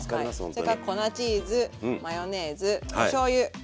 それから粉チーズマヨネーズおしょうゆです以上。